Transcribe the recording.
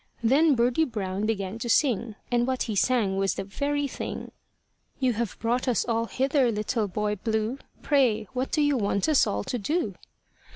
Then Birdie Brown began to sing, And what he sang was the very thing: "You have brought us all hither, Little Boy Blue, Pray what do you want us all to do?"